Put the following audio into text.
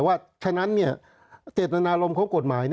ฉะนั้นเจตนารมณ์ของกฎหมาย